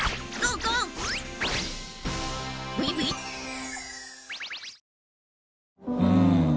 うん。